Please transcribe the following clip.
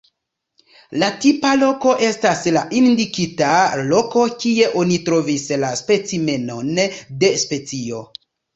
La tipa loko estas la indikita loko kie oni trovis la specimenon de specio.